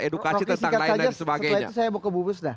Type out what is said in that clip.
edukasi tentang lain dan sebagainya